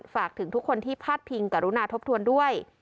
ฝากถึงทุกคนที่พาดพิงกรุณาทบทวนด้วย